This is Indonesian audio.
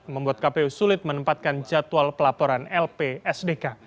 membuat kpu sulit menempatkan jadwal pelaporan lpsdk